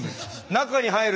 中に入る。